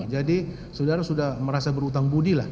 jadi saudara sudah merasa berhutang budi lah